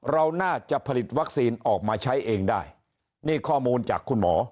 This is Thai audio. เราน่าจะผลิตวัคซีนออกมาใช้เองได้นี่ข้อมูลจากคุณหมอ